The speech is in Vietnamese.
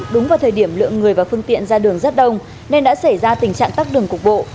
đúng vào thời điểm lượng người và phương tiện ra đường rất đông nên đã xảy ra tình trạng tắt đường cục bộ